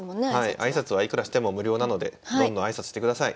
挨拶はいくらしても無料なのでどんどん挨拶してください。